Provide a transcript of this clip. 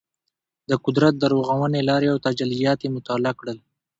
د قدرت د رغونې لارې او تجلیات یې مطالعه کړل.